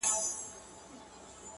تر کور دباندي له اغیاره سره لوبي کوي!!